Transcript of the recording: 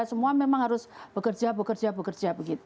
semua memang harus bekerja bekerja bekerja begitu